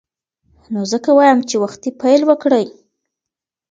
نو ځکه وایم چې وختي پیل وکړئ.